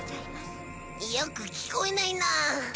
よく聞こえないなあ。